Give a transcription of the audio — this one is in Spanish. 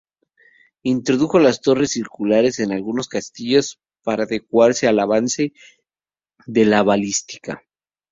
Introdujo las torres circulares en algunos castillos para adecuarse al avance de la balística.